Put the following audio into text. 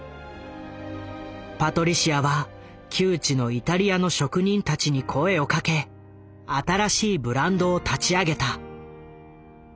パトリシアは旧知のイタリアの職人たちに声をかけ新しいブランドを立ち上げた。